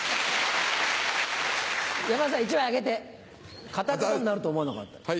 山田さん１枚あげて片仮名になると思わなかった。